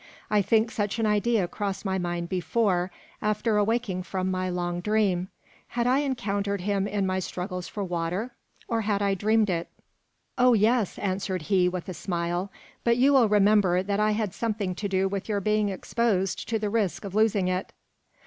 I think such an idea crossed my mind before, after awaking from my long dream. Had I encountered him in my struggles for water, or had I dreamed it? "Oh yes!" answered he, with a smile, "but you will remember that I had something to do with your being exposed to the risk of losing it."